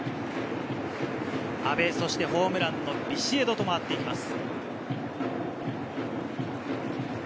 阿部、ホームランのビシエドと回っていきます。